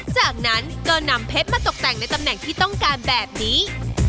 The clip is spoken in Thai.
จากนั้นก็นำเพชรมาตกแต่งในตำแหน่งที่ต้องการแบบนี้